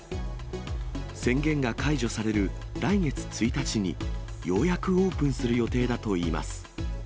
宣言が解除される来月１日に、ようやくオープンする予定だといいます。